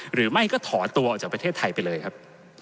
หรือไม่ก็ถอนตัวออกจากประเทศไทยไปเลยครับ